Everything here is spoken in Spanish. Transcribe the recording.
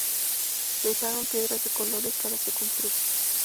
Se usaron piedras de colores para su construcción.